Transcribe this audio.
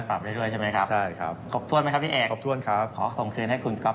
ปรับได้ด้วยใช่ไหมครับ